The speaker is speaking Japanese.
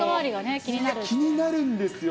気になるんですよ。